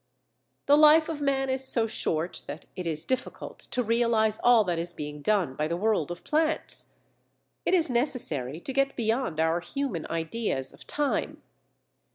The life of man is so short that it is difficult to realize all that is being done by the world of plants. It is necessary to get beyond our human ideas of time.